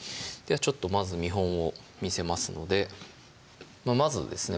まず見本を見せますのでまずですね